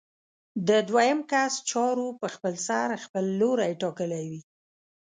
د دویم کس چارو په خپلسر خپل لوری ټاکلی وي.